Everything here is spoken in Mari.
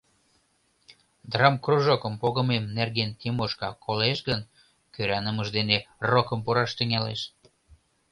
Драмкружокым погымем нерген Тимошка колеш гын, кӧранымыж дене рокым пураш тӱҥалеш.